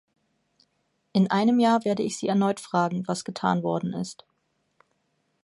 In einem Jahr werde ich Sie erneut fragen, was getan worden ist.